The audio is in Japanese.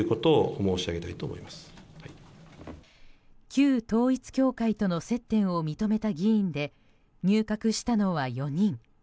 旧統一教会との接点を認めた議員で入閣したのは４人。